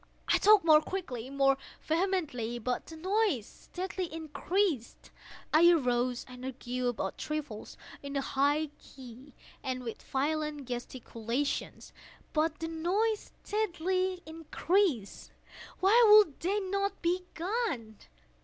I talked more quickly—more vehemently; but the noise steadily increased. I arose and argued about trifles, in a high key and with violent gesticulations; but the noise steadily increased. Why would they not be gone?